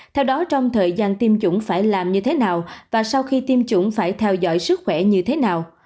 theo đó trong thời gian tiêm chủng phải làm như thế nào và sau khi tiêm chủng phải theo dõi sức khỏe như thế nào